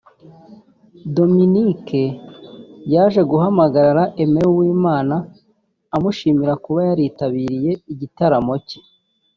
Dominic yaje guhamagara Aimé Uwimana amushimira kuba yitabiriye igitaramo cye